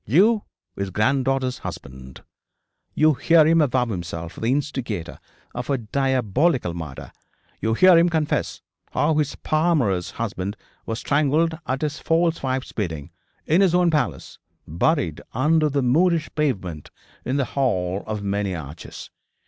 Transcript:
You his granddaughter's husband. You hear him avow himself the instigator of a diabolical murder; you hear him confess how his paramour's husband was strangled at his false wife's bidding, in his own palace, buried under the Moorish pavement in the hall of many arches.